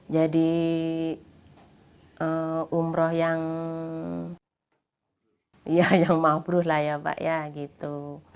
jadi umroh yang ya yang mabruh lah ya pak ya gitu